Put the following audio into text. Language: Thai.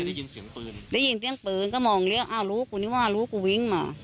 ได้ยินเสียงปืนได้ยินเสียงปืนก็มองเลี้ยวอ้าวรู้กูนี่ว่ารู้กูวิ่งมา